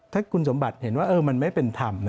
ถ้าคุณสมบัติเห็นว่ามันไม่เป็นธรรม